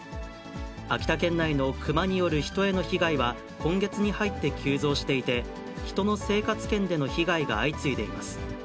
秋田県内の熊による人への被害は今月に入って急増していて、人の生活圏での被害が相次いでいます。